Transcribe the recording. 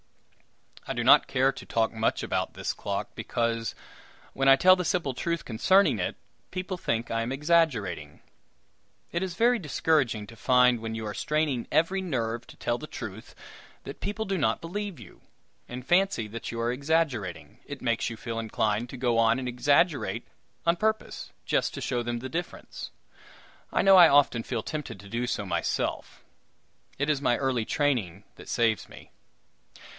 I do not care to talk much about this clock; because when I tell the simple truth concerning it, people think I am exaggerating. It is very discouraging to find, when you are straining every nerve to tell the truth, that people do not believe you, and fancy that you are exaggerating. It makes you feel inclined to go and exaggerate on purpose, just to show them the difference. I know I often feel tempted to do so myself it is my early training that saves me.